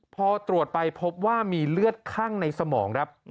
พอตรวจไปพบว่ามีเลือดคั่งในสมองครับ